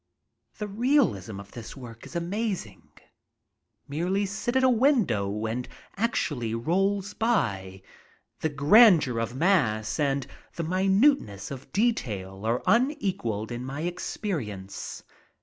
The realism of this work is amazing; merely sit at a window and actually roll by. The grandeur of mass and the minuteness of detail are unequalled in my experience.